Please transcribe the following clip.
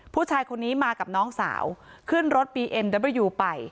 ผู้มากับน้องสาวขึ้นรถปีเอ็นเดิร์เบอร์วส์ไป